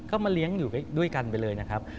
ก็มาเลี้ยงอยู่ด้วยกันไปเลยนะครับ